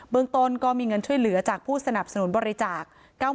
เมืองต้นก็มีเงินช่วยเหลือจากผู้สนับสนุนบริจาค